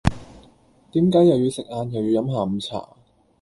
點解又要食晏又要飲下午茶